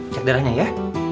cek darahnya ya